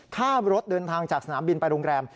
ค่ารถเดินทางจากสนามบินไปโรงแรม